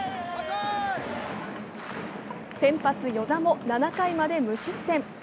先発・與座も７回まで無失点。